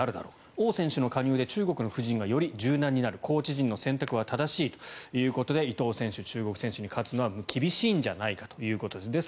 オウ選手の加入で中国の布陣がより柔軟になるコーチ陣の選択は正しいということで伊藤選手が中国選手に勝つのは厳しいんじゃないかということです。